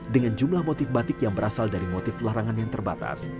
dengan jumlah motif batik yang berasal dari motif larangan yang terbatas